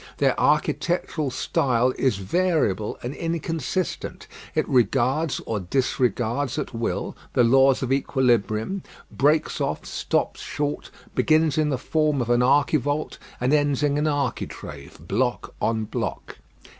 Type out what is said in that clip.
Their architectural style is variable and inconsistent; it regards or disregards at will the laws of equilibrium, breaks off, stops short, begins in the form of an archivolt, and ends in an architrave, block on block.